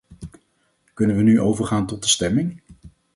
Kunnen we nu overgaan tot de stemming?